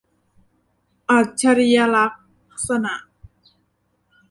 อัจฉริยลักษณะ